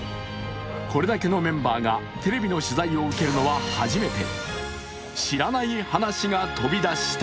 これだけのメンバーがテレビの取材を受けるのは初めて。